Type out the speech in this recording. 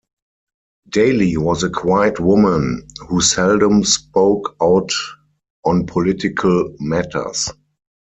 Daley was a quiet woman who seldom spoke out on political matters.